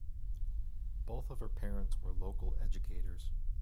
Both of her parents were local educators.